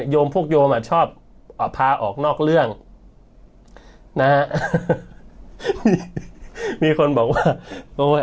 โยมพวกโยมอ่ะชอบพาออกนอกเรื่องนะฮะมีคนบอกว่าโอ้ย